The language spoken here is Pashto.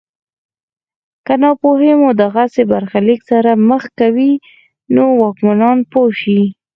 که ناپوهي مو له دغسې برخلیک سره مخ کوي نو واکمنان پوه شي.